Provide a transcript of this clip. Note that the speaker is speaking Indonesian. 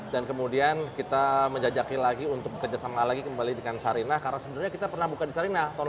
dan kemudian kita menjajaki lagi untuk bekerja sama lagi kembali dengan sarina karena sebenarnya kita pernah buka di sarina tahun delapan puluh an